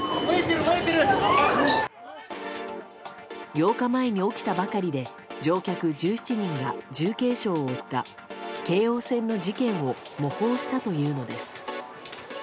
８日前に起きたばかりで乗客１７人が重軽傷を負った京王線の事件を模倣したというのです。